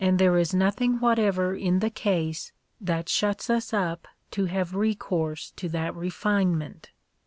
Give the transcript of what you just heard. there is nothing whatever in the case that shuts us up to have recourse to that refinement.